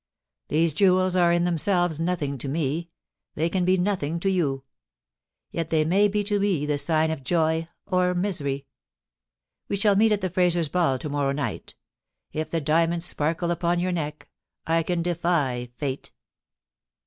* These jewels are in themselves nothing to me — they can be nothing to you. Yet they may be to me the sign of joy or misery. We shall meet at the Frazers' Ball to morrow night ; if the diamonds sparkle upon your neck I can defy Fate.'